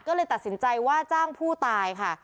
ก็เลยตัดสินใจว่าจ้างผู้ตายค่ะ